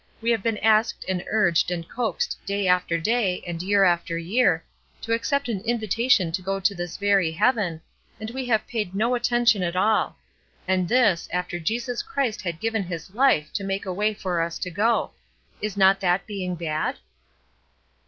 We have been asked and urged and coaxed day after day, and year after year, to accept an invitation to go to this very heaven, and we have paid no attention at all; and this, after Jesus Christ had given His life to make a way for us to go. Is not that being bad?"